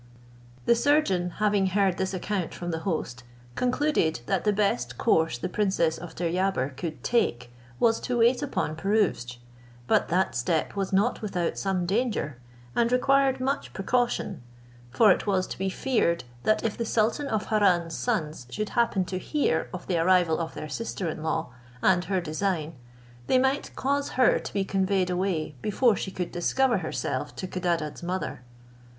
The surgeon having heard this account from the host, concluded that the best course the princess of Deryabar could take was to wait upon Pirouzč; but that step was not without some danger, and required much precaution: for it was to be feared, that if the sultan of Harran's sons should happen to hear of the arrival of their sister in law, and her design, they might cause her to be conveyed away before she could discover herself to Codadad's mother.